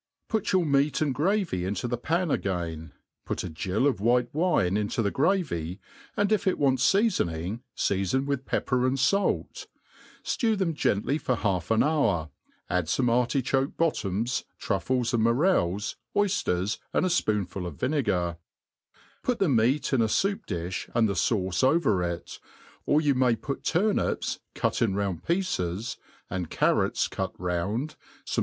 Put your meat and gravy into the pan again ; put a gill of white wine into the gravy, and if it wants feafoning, feafon with pepper and falt^ flew them gently for half an hour ; add fome artichoke bot toms, truffles and morels, oyfters, and a fpoonful of vinegar^ Put the meat in a foup dilh, and the fauce over it ; or you may put turnips cut lA round pieccsj^ and cacrots cut jouiid, fome fmaH • MADE PLAIN AND EASY.